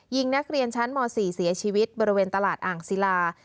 ยิงนักเรียนชั้นม๔เสียชีวิตบริเวณตลาดอ่างศิลา